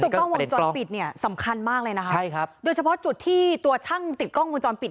ซึ่งติดกล้องวงจรปิดสำคัญมากเลยนะครับโดยเฉพาะจุดที่ตัวช่างติดกล้องวงจรปิด